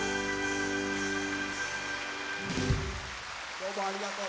どうもありがとう！